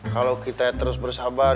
kalau kita terus bersabar